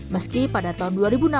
meski pada tahun dua ribu enam belas